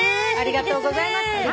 ありがとうございます。